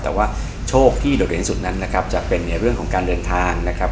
แต่ว่าโชคที่โดดเด่นที่สุดนั้นนะครับจะเป็นในเรื่องของการเดินทางนะครับ